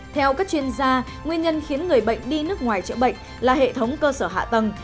theo các chuyên gia nguyên nhân khiến người bệnh đi nước ngoài chữa bệnh là hệ thống cơ sở hạ tầng